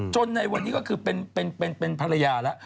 ในวันนี้ก็คือเป็นภรรยาแล้ว